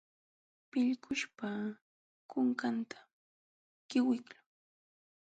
Pillkuśhpa kunkantam qiwiqlun.